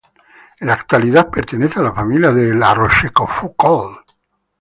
En la actualidad pertenece a la familia de La Rochefoucauld.